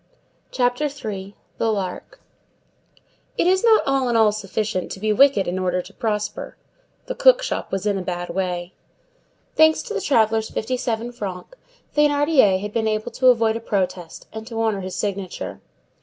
CHAPTER III—THE LARK It is not all in all sufficient to be wicked in order to prosper. The cook shop was in a bad way. Thanks to the traveller's fifty seven francs, Thénardier had been able to avoid a protest and to honor his signature.